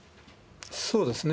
そうですね。